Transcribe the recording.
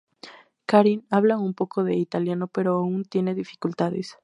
Karin habla un poco de italiano, pero aún tiene dificultades.